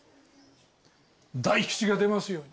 大吉が出ますように。